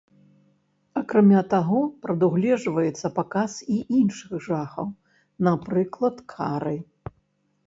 Акрамя таго прадугледжваецца паказ і іншых жахаў, напрыклад, кары.